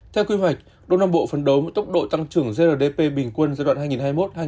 theo quy hoạch đông nam bộ phấn đấu với tốc độ tăng trưởng grdp bình quân giai đoạn hai nghìn hai mươi một hai nghìn hai mươi